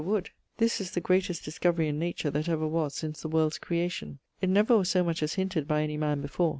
Wood! This is the greatest discovery in nature that ever was since the world's creation. It never was so much as hinted by any man before.